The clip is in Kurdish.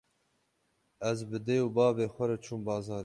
Ez bi dê û bavê xwe re çûm bazarê.